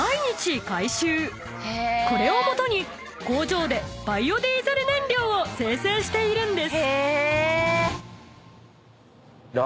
［これをもとに工場でバイオディーゼル燃料を精製しているんです］